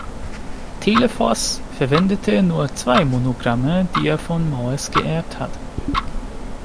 Telephos verwendete nur zwei Monogramme, die er von Maues geerbt hat.